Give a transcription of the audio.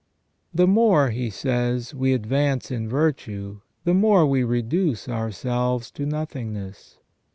"The more," he says, "we advance in virtue, the more we reduce ourselves to nothingness.